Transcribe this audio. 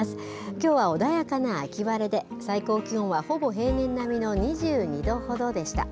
きょうは穏やかな秋晴れで、最高気温はほぼ平年並みの２２度ほどでした。